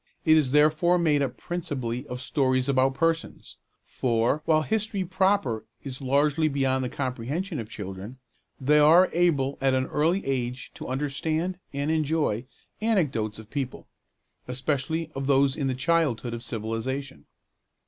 It is therefore made up principally of stories about persons; for, while history proper is largely beyond the comprehension of children, they are able at an early age to understand and enjoy anecdotes of people, especially of those in the childhood of civilization.